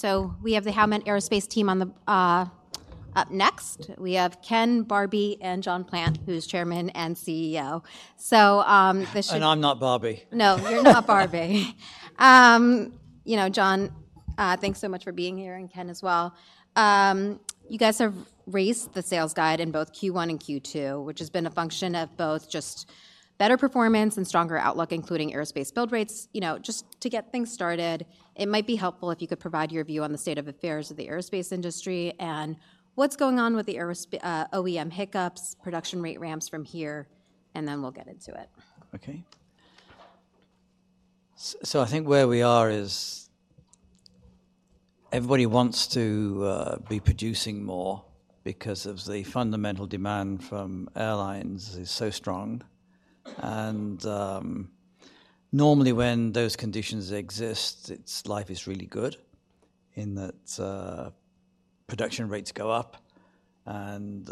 So we have the Howmet Aerospace team on the up next. We have Ken Giacobbe and John Plant, who's Chairman and CEO. So, this should- I'm not Giacobbe. No, you're not Giacobbe. You know, John, thanks so much for being here, and Ken as well. You guys have raised the sales guide in both Q1 and Q2, which has been a function of both just better performance and stronger outlook, including aerospace build rates. You know, just to get things started, it might be helpful if you could provide your view on the state of affairs of the aerospace industry and what's going on with the aerospace OEM hiccups, production rate ramps from here, and then we'll get into it. Okay. So I think where we are is, everybody wants to be producing more because the fundamental demand from airlines is so strong. Normally when those conditions exist, life is really good in that production rates go up, and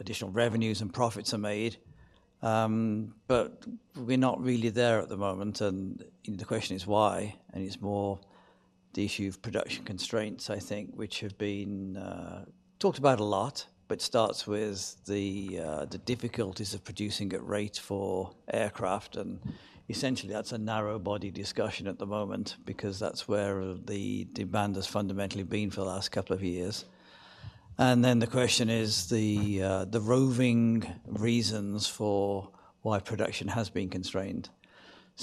additional revenues and profits are made. We're not really there at the moment, and the question is why? It's more the issue of production constraints, I think, which have been talked about a lot, but starts with the difficulties of producing at rate for aircraft, and essentially, that's a narrow-body discussion at the moment because that's where the demand has fundamentally been for the last couple of years. The question is the roving reasons for why production has been constrained.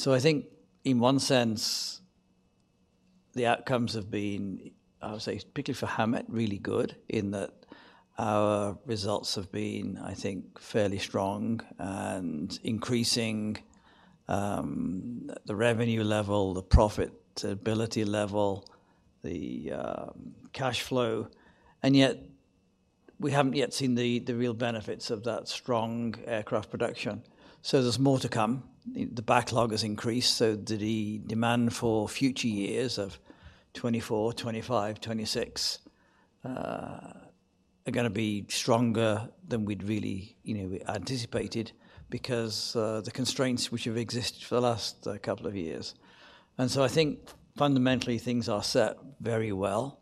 I think in one sense, the outcomes have been, I would say, particularly for Howmet, really good, in that our results have been, I think, fairly strong and increasing, the revenue level, the profitability level, the cash flow, and yet we haven't yet seen the real benefits of that strong aircraft production. There's more to come. The backlog has increased, so the demand for future years of 2024, 2025, 2026, are gonna be stronger than we'd really, you know, anticipated because the constraints which have existed for the last couple of years. I think fundamentally, things are set very well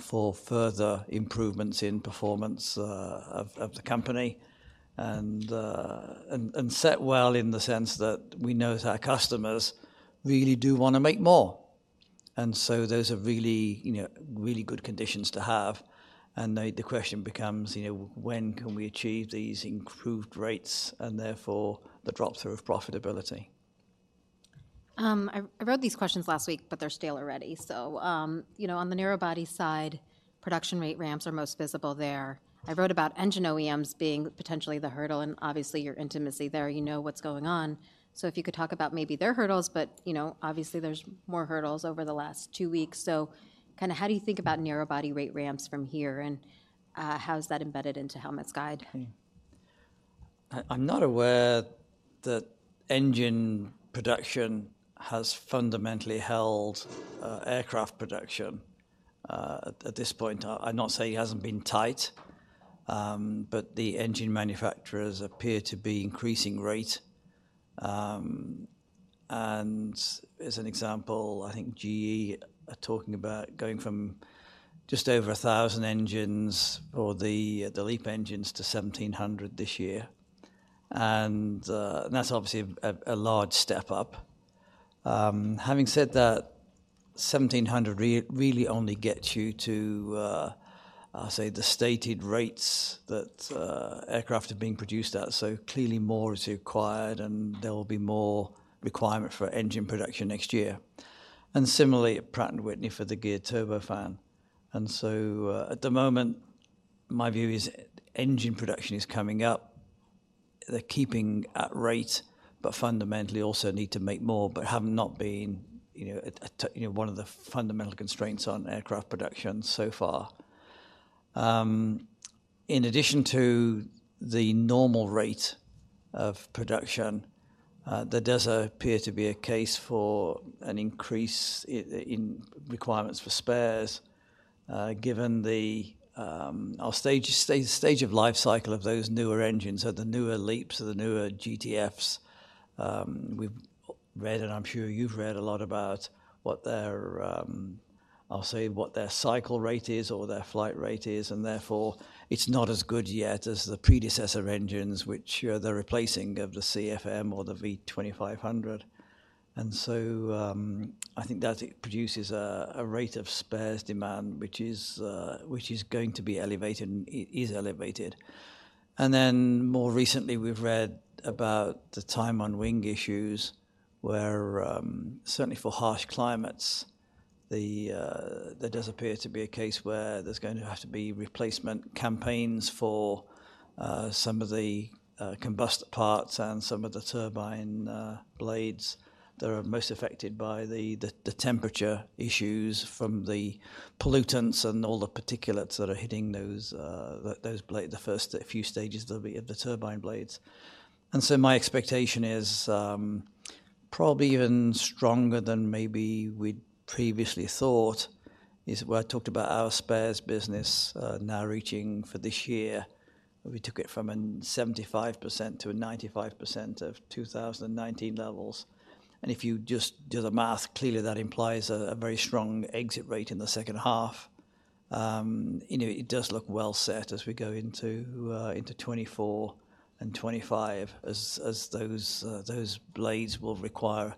for further improvements in performance of the company, and set well in the sense that we know that our customers really do want to make more. And so those are really, you know, really good conditions to have, and now the question becomes, you know, when can we achieve these improved rates and therefore the drop-through of profitability? I wrote these questions last week, but they're still already. So, you know, on the narrow-body side, production rate ramps are most visible there. I wrote about engine OEMs being potentially the hurdle and obviously your intimacy there, you know what's going on. So if you could talk about maybe their hurdles, but, you know, obviously there's more hurdles over the last two weeks. So kind of how do you think about narrow-body rate ramps from here, and how is that embedded into Howmet's guide? I'm not aware that engine production has fundamentally held aircraft production at this point. I'm not saying it hasn't been tight, but the engine manufacturers appear to be increasing rate. And as an example, I think GE are talking about going from just over 1,000 engines for the LEAP engines to 1,700 this year, and that's obviously a large step up. Having said that, 1,700 really only gets you to, say, the stated rates that aircraft are being produced at, so clearly more is required, and there will be more requirement for engine production next year. And similarly, Pratt & Whitney for the Geared Turbofan. And so, at the moment, my view is engine production is coming up. They're keeping at rate, but fundamentally also need to make more, but have not been, you know, one of the fundamental constraints on aircraft production so far. In addition to the normal rate of production, there does appear to be a case for an increase in requirements for spares, given the stage of life cycle of those newer engines or the newer LEAPs or the newer GTFs. We've read, and I'm sure you've read a lot about what their... I'll say, what their cycle rate is or their flight rate is, and therefore, it's not as good yet as the predecessor engines, which they're replacing of the CFM or the V2500. And so, I think that it produces a rate of spares demand, which is going to be elevated and is elevated. And then, more recently, we've read about the time on wing issues, where certainly for harsh climates, there does appear to be a case where there's going to have to be replacement campaigns for some of the combustor parts and some of the turbine blades that are most affected by the temperature issues from the pollutants and all the particulates that are hitting those blades, the first few stages of the turbine blades. And so my expectation is, probably even stronger than maybe we'd previously thought, is where I talked about our spares business, now reaching for this year-... We took it from 75% to 95% of 2019 levels. And if you just do the math, clearly that implies a very strong exit rate in the second half. You know, it does look well set as we go into 2024 and 2025, as those blades will require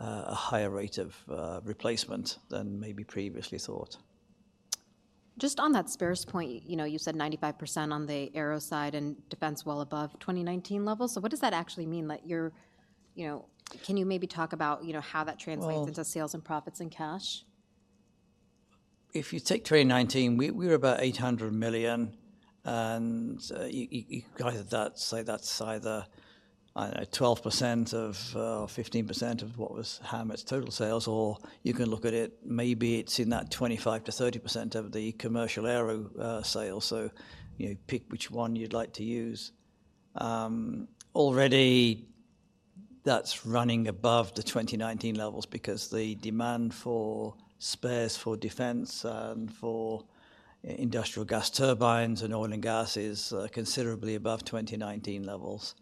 a higher rate of replacement than maybe previously thought. Just on that spares point, you know, you said 95% on the aero side and defense well above 2019 levels. So what does that actually mean, that you're, you know, can you maybe talk about, you know, how that translates into sales and profits and cash? If you take 2019, we were about $800 million, and you got that, say, that's either, I don't know, 12% of or 15% of what was Howmet's total sales, or you can look at it, maybe it's in that 25%-30% of the commercial aero sales. So, you know, pick which one you'd like to use. Already, that's running above the 2019 levels because the demand for spares for defense and for industrial gas turbines and oil and gas is considerably above 2019 levels.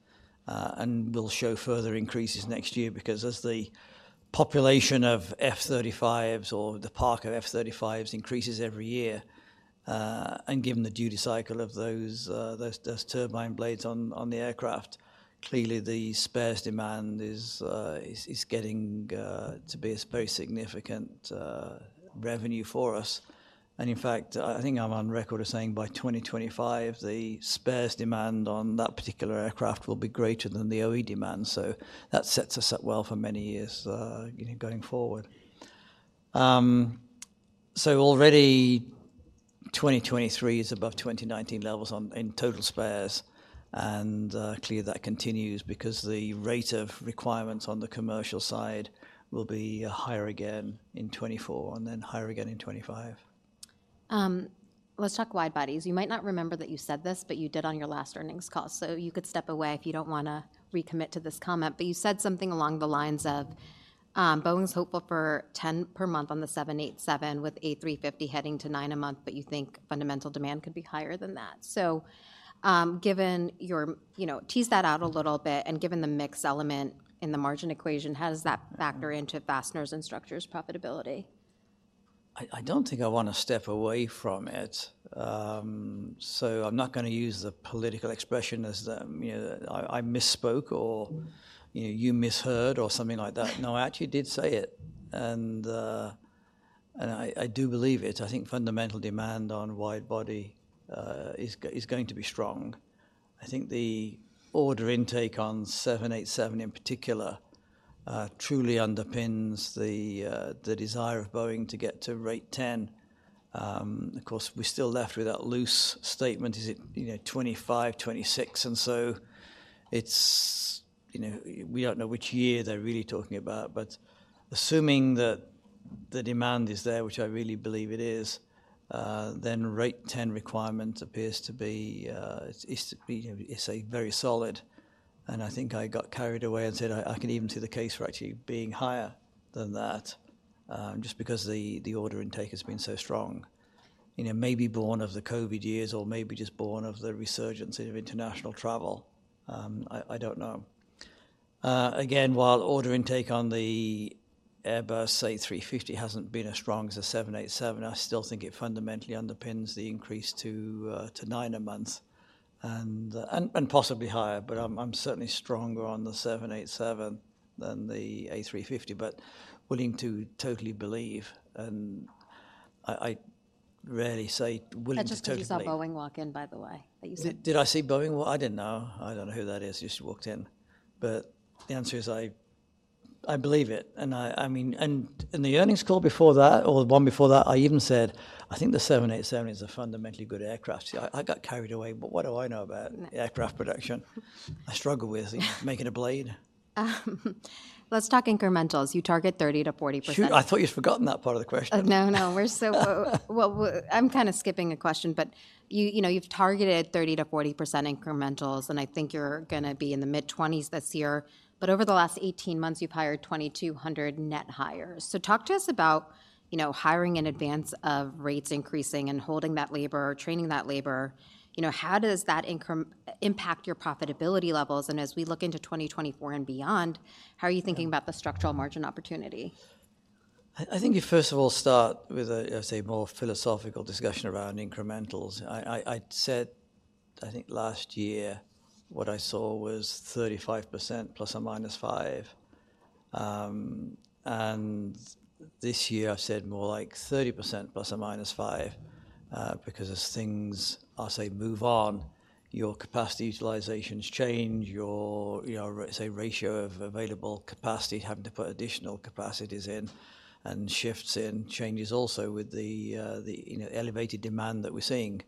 And we'll show further increases next year because as the population of F-35s or the park of F-35s increases every year, and given the duty cycle of those turbine blades on the aircraft, clearly the spares demand is getting to be a very significant revenue for us. And in fact, I think I'm on record as saying by 2025, the spares demand on that particular aircraft will be greater than the OE demand, so that sets us up well for many years, you know, going forward. So already 2023 is above 2019 levels in total spares, and clearly that continues because the rate of requirements on the commercial side will be higher again in 2024 and then higher again in 2025. Let's talk widebodies. You might not remember that you said this, but you did on your last earnings call, so you could step away if you don't wanna recommit to this comment. But you said something along the lines of, Boeing's hopeful for 10 per month on the 787, with A350 heading to 9 a month, but you think fundamental demand could be higher than that. So, given your... You know, tease that out a little bit, and given the mix element in the margin equation, how does that factor into fasteners and structures profitability? I, I don't think I wanna step away from it. So I'm not gonna use the political expression as, you know, I, I misspoke or, you know, you misheard or something like that. No, I actually did say it, and, and I, I do believe it. I think fundamental demand on wide-body is going to be strong. I think the order intake on 787 in particular truly underpins the, the desire of Boeing to get to rate 10. Of course, we're still left with that loose statement: Is it, you know, 25, 26? And so it's, you know, we don't know which year they're really talking about, but assuming that the demand is there, which I really believe it is, then rate 10 requirement appears to be, you know, a very solid... And I think I got carried away and said I can even see the case for actually being higher than that, just because the order intake has been so strong. You know, maybe born of the COVID years or maybe just born of the resurgence of international travel. I don't know. Again, while order intake on the Airbus, say, A350 hasn't been as strong as the 787, I still think it fundamentally underpins the increase to 9 a month and possibly higher, but I'm certainly stronger on the 787 than the A350, but willing to totally believe, and I rarely say willing to totally- I just saw Boeing walk in, by the way, that you said— Did I see Boeing walk? I didn't know. I don't know who that is. He just walked in. But the answer is I believe it, and I mean... And in the earnings call before that, or the one before that, I even said, "I think the 787 is a fundamentally good aircraft." See, I got carried away, but what do I know about aircraft production? I struggle with making a blade. Let's talk incrementals. You target 30%-40%. Shoot, I thought you'd forgotten that part of the question. No, no, we're. Well, I'm kind of skipping a question, but you know, you've targeted 30%-40% incrementals, and I think you're gonna be in the mid-20s this year. But over the last 18 months, you've hired 2,200 net hires. So talk to us about, you know, hiring in advance of rates increasing and holding that labor, training that labor. You know, how does that impact your profitability levels? And as we look into 2024 and beyond, how are you thinking about the structural margin opportunity? I think you first of all start with a say more philosophical discussion around incrementals. I said, I think last year, what I saw was 35% ±5. And this year, I've said more like 30% ±5, because as things, I'll say, move on, your capacity utilizations change, your say ratio of available capacity, having to put additional capacities in and shifts in, changes also with the, the, you know, elevated demand that we're seeing.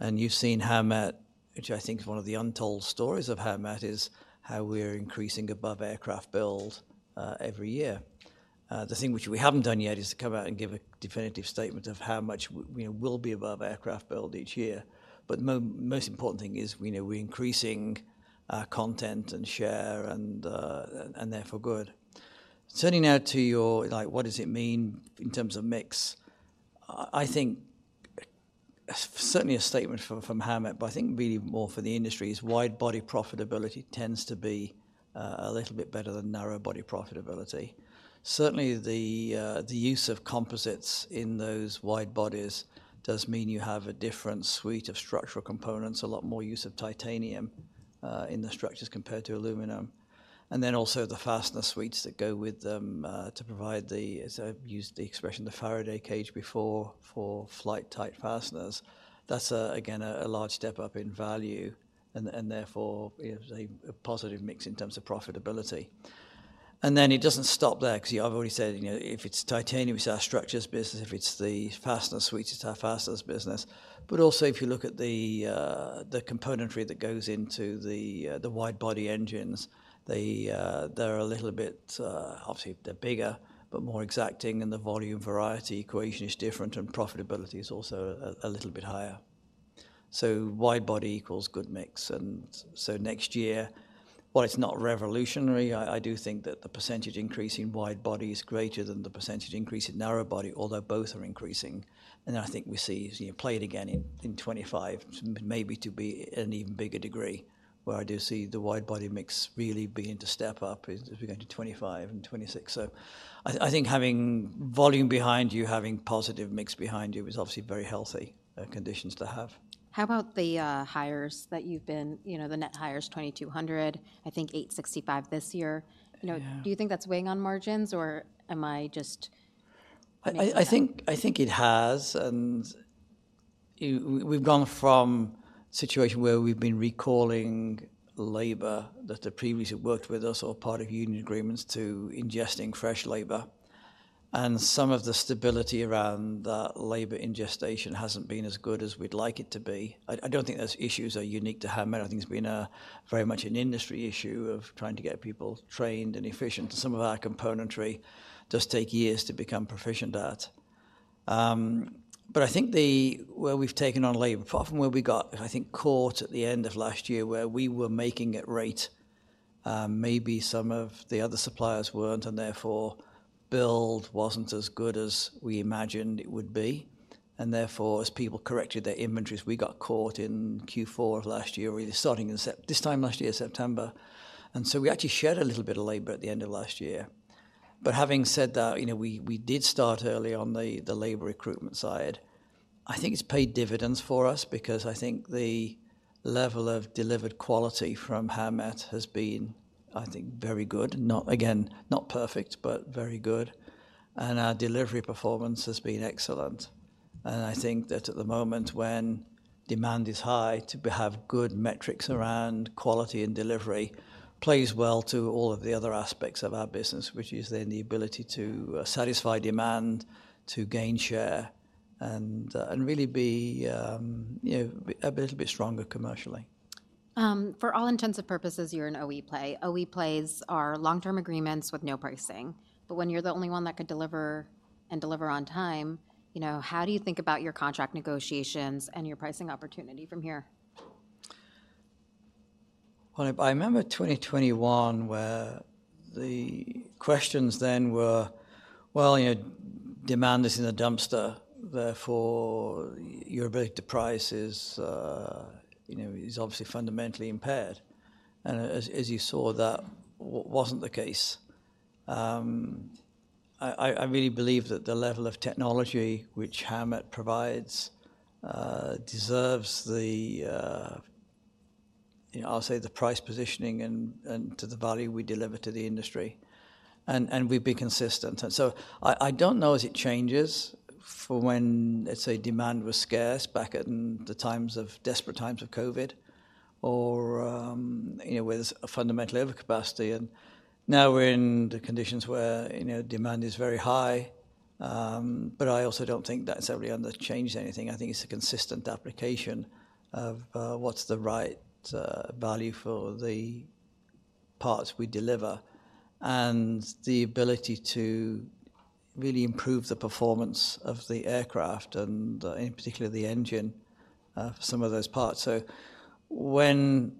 And you've seen how Howmet, which I think is one of the untold stories of Howmet, is how we're increasing above aircraft build every year. The thing which we haven't done yet is to come out and give a definitive statement of how much we will be above aircraft build each year. But most important thing is, we know we're increasing content and share, and therefore good. Turning now to your, like, what does it mean in terms of mix? I think certainly a statement from Howmet, but I think really more for the industry, is wide body profitability tends to be a little bit better than narrow body profitability. Certainly, the use of composites in those wide bodies does mean you have a different suite of structural components, a lot more use of titanium in the structures compared to aluminum. And then also the fastener suites that go with them to provide the, as I've used the expression, the Faraday cage before, for flight-type fasteners. That's again a large step up in value and therefore is a positive mix in terms of profitability. And then it doesn't stop there, because, you know, I've already said, you know, if it's titanium, it's our structures business, if it's the fastener suite, it's our fasteners business. But also, if you look at the componentry that goes into the wide body engines, they're a little bit... obviously, they're bigger, but more exacting, and the volume variety equation is different, and profitability is also a little bit higher. So wide body equals good mix, and so next year, while it's not revolutionary, I do think that the percentage increase in wide body is greater than the percentage increase in narrow body, although both are increasing. I think we see, as you play it again in 25, maybe to be an even bigger degree, where I do see the wide-body mix really begin to step up as we go into 25 and 26. So I think having volume behind you, having positive mix behind you, is obviously very healthy conditions to have. How about the hires that you've been, you know, the net hire is 2,200, I think 865 this year. You know, do you think that's weighing on margins, or am I just I think it has, and we've gone from a situation where we've been recalling labor that had previously worked with us or part of union agreements, to ingesting fresh labor. And some of the stability around that labor ingestion hasn't been as good as we'd like it to be. I don't think those issues are unique to Howmet. I think it's been very much an industry issue of trying to get people trained and efficient. Some of our componentry does take years to become proficient at. But I think where we've taken on labor, from where we got, I think, caught at the end of last year, where we were making it right, maybe some of the other suppliers weren't, and therefore, build wasn't as good as we imagined it would be. Therefore, as people corrected their inventories, we got caught in Q4 of last year, really starting in September, this time last year, September. We actually shed a little bit of labour at the end of last year. Having said that, you know, we did start early on the labour recruitment side. I think it's paid dividends for us because I think the level of delivered quality from Howmet has been, I think, very good. Not, again, not perfect, but very good. Our delivery performance has been excellent. I think that at the moment when demand is high, to have good metrics around quality and delivery plays well to all of the other aspects of our business, which is then the ability to satisfy demand, to gain share, and really be, you know, a bit, bit stronger commercially. For all intents and purposes, you're an OE play. OE plays are long-term agreements with no pricing, but when you're the only one that could deliver and deliver on time, you know, how do you think about your contract negotiations and your pricing opportunity from here? Well, if I remember 2021, where the questions then were: Well, you know, demand is in the dumpster, therefore, your ability to price is, you know, is obviously fundamentally impaired. And as, as you saw, that wasn't the case. I really believe that the level of technology which Howmet provides deserves the, you know, I'll say, the price positioning and to the value we deliver to the industry, and we've been consistent. And so I don't know as it changes for when, let's say, demand was scarce back in the desperate times of COVID or, you know, where there's a fundamental overcapacity, and now we're in the conditions where, you know, demand is very high. But I also don't think that's ever really changed anything. I think it's a consistent application of what's the right value for the parts we deliver and the ability to really improve the performance of the aircraft and, in particular, the engine for some of those parts. When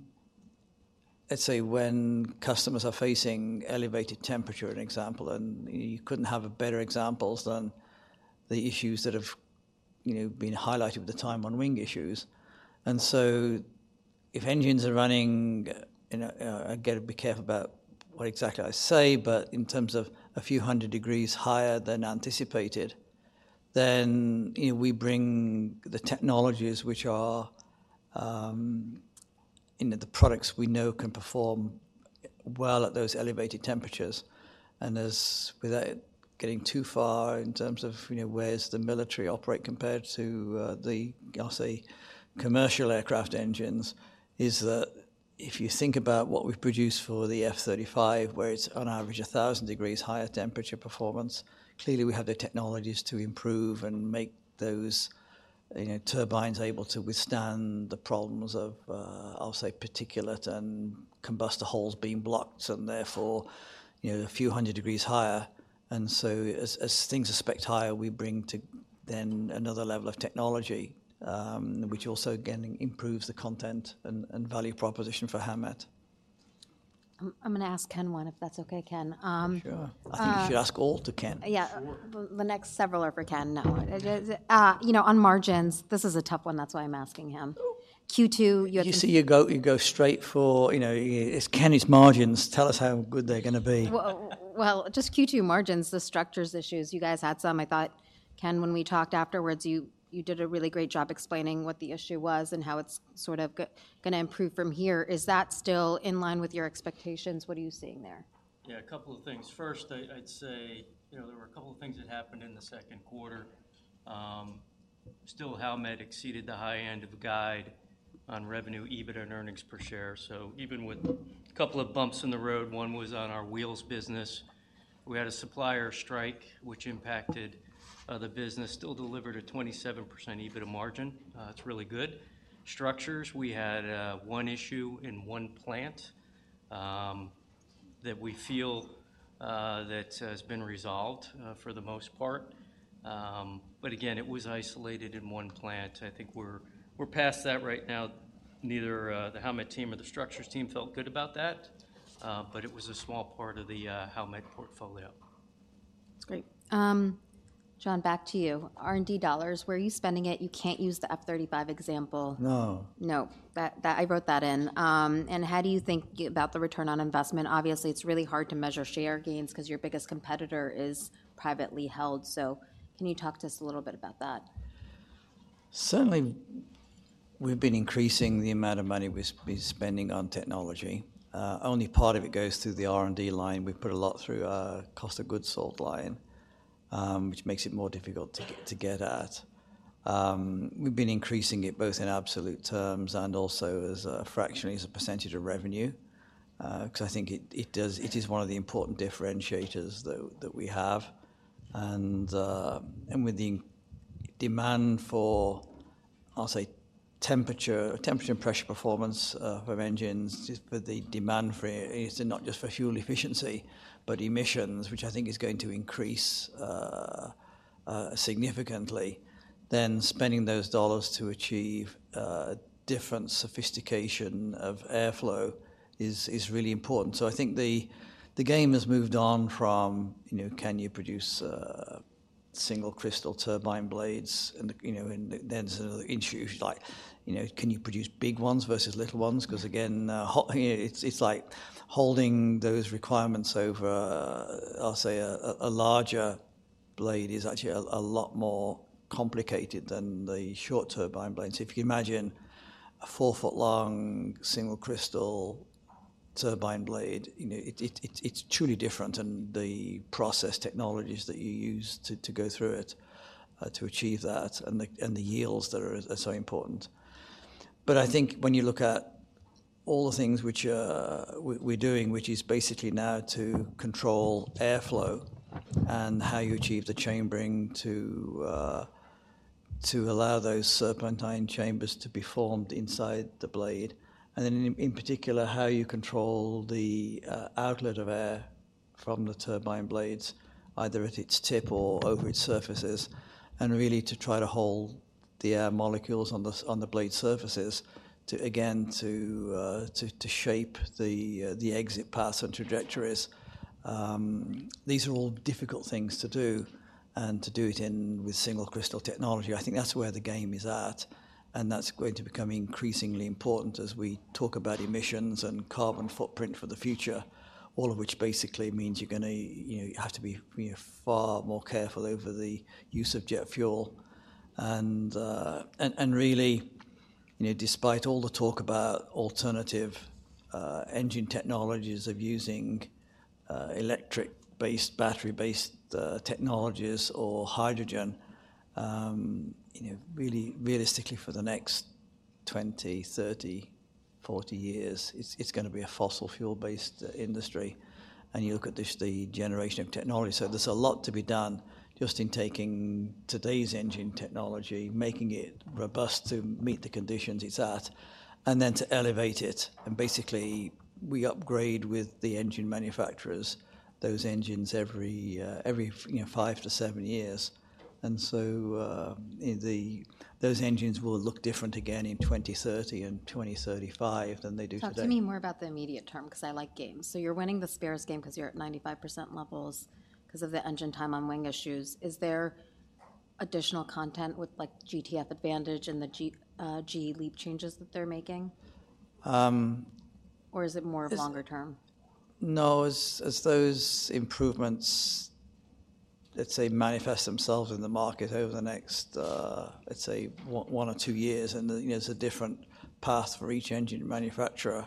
customers are facing elevated temperature, an example, and you couldn't have better examples than the issues that have, you know, been highlighted at the time on wing issues. If engines are running, you know, I've got to be careful about what exactly I say, but in terms of a few hundred degrees higher than anticipated, then, you know, we bring the technologies which are, you know, the products we know can perform well at those elevated temperatures. As, without getting too far in terms of, you know, where does the military operate compared to the, I'll say, commercial aircraft engines, is that if you think about what we've produced for the F-35, where it's on average 1,000 degrees higher temperature performance, clearly we have the technologies to improve and make those, you know, turbines able to withstand the problems of, I'll say, particulate and combustor holes being blocked, and therefore, you know, a few hundred degrees higher. And so as, as things are specced higher, we bring to then another level of technology, which also again improves the content and, and value proposition for Howmet. I'm gonna ask Ken one, if that's okay, Ken. Sure. Uh- I think you should ask all to Ken. Yeah. Sure. The next several are for Ken. No. All right. It is, you know, on margins, this is a tough one, that's why I'm asking him. Ooh. Q2, you had- You see, you go, you go straight for, you know, it's Ken, it's margins. Tell us how good they're gonna be. Well, well, just Q2 margins, the structures issues, you guys had some. I thought, Ken, when we talked afterwards, you did a really great job explaining what the issue was and how it's sort of gonna improve from here. Is that still in line with your expectations? What are you seeing there? Yeah, a couple of things. First, I'd say, you know, there were a couple of things that happened in the second quarter. Still Howmet exceeded the high end of the guide on revenue, EBITDA, and earnings per share. So even with a couple of bumps in the road, one was on our wheels business, we had a supplier strike, which impacted the business. Still delivered a 27% EBITDA margin. That's really good. Structures, we had one issue in one plant that we feel that has been resolved for the most part. But again, it was isolated in one plant. I think we're past that right now. Neither the Howmet team or the Structures team felt good about that, but it was a small part of the Howmet portfolio. That's great. John, back to you. R&D dollars, where are you spending it? You can't use the F-35 example. No. No. That I wrote that in. How do you think about the return on investment? Obviously, it's really hard to measure share gains 'cause your biggest competitor is privately held, so can you talk to us a little bit about that? Certainly, we've been increasing the amount of money we're spending on technology. Only part of it goes through the R&D line. We've put a lot through our cost of goods sold line, which makes it more difficult to get at. We've been increasing it both in absolute terms and also as a fraction, as a percentage of revenue, 'cause I think it is one of the important differentiators that we have. With the demand for, I'll say, temperature and pressure performance of engines, just with the demand for it, is not just for fuel efficiency, but emissions, which I think is going to increase significantly, then spending those dollars to achieve different sophistication of airflow is really important. So I think the game has moved on from, you know, can you produce single crystal turbine blades? And then there's another issue, like, you know, can you produce big ones versus little ones? 'Cause again, it's like holding those requirements over, I'll say, a larger blade is actually a lot more complicated than the short turbine blades. If you can imagine a four-foot long single crystal turbine blade, you know, it's truly different, and the process technologies that you use to go through it to achieve that, and the yields that are so important. But I think when you look at all the things which we're doing, which is basically now to control airflow and how you achieve the chambering to allow those serpentine chambers to be formed inside the blade, and then in particular, how you control the outlet of air from the turbine blades, either at its tip or over its surfaces, and really to try to hold the air molecules on the blade surfaces to shape the exit paths and trajectories. These are all difficult things to do, and to do it with single crystal technology, I think that's where the game is at, and that's going to become increasingly important as we talk about emissions and carbon footprint for the future. All of which basically means you're gonna, you know, you have to be, you know, far more careful over the use of jet fuel. And really, you know, despite all the talk about alternative, you know, engine technologies of using electric-based, battery-based technologies or hydrogen, you know, really realistically, for the next 20, 30, 40 years, it's gonna be a fossil fuel-based industry. You look at just the generation of technology. So there's a lot to be done just in taking today's engine technology, making it robust to meet the conditions it's at, and then to elevate it. Basically, we upgrade with the engine manufacturers, those engines every, you know, five to seven years. Those engines will look different again in 2030 and 2035 than they do today. Talk to me more about the immediate term, 'cause I like games. So you're winning the spares game 'cause you're at 95% levels 'cause of the engine time on wing issues. Is there additional content with, like, GTF, the P&W and the GE LEAP changes that they're making? Um- Or is it more of longer term? No, as those improvements, let's say, manifest themselves in the market over the next, let's say, one or two years, and, you know, there's a different path for each engine manufacturer,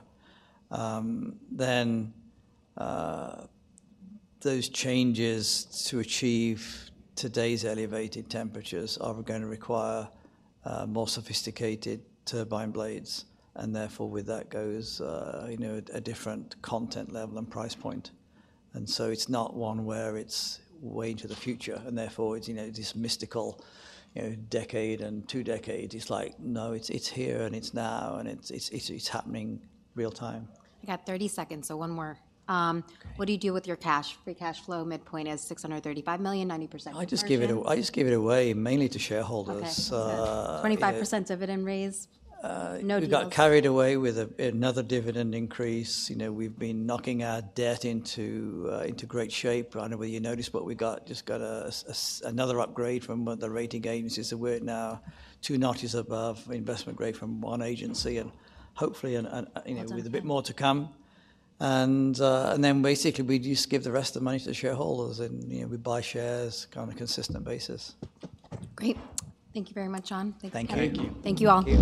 then, those changes to achieve today's elevated temperatures are going to require, more sophisticated turbine blades, and therefore, with that goes, you know, a different content level and price point. And so it's not one where it's way into the future, and therefore, it's, you know, this mystical, you know, decade and two decades. It's like, no, it's, it's here, and it's now, and it's, it's, it's, it's happening real time. I got 30 seconds, so one more. Okay. What do you do with your cash? Free cash flow midpoint is $635 million, 90%- I just give it away, mainly to shareholders. Okay. Uh- 20% dividend raise, no deals. We got carried away with another dividend increase. You know, we've been knocking our debt into great shape. I don't know whether you noticed, but we just got another upgrade from one of the rating agencies, so we're now two notches above investment grade from one agency, and hopefully, and you know with a bit more to come. And, and then basically, we just give the rest of the money to the shareholders, and, you know, we buy shares on a consistent basis. Great. Thank you very much, John. Thank you. Thank you. Thank you all.